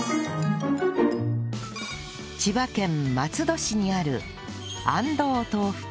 千葉県松戸市にある安藤豆腐店